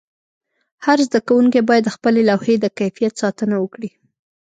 هر زده کوونکی باید د خپلې لوحې د کیفیت ساتنه وکړي.